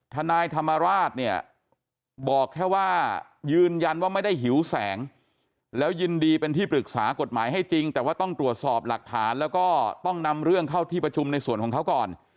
ทนายธรรมราชเนี่ยบอกแค่ว่ายืนยันว่าไม่ได้หิวแสงแล้วยินดีเป็นที่ปรึกษากฎหมายให้จริงแต่ว่าต้องตรวจสอบหลักฐานแล้วก็ต้องนำเรื่องเข้าที่ประชุมในส่วนของเขาก่อน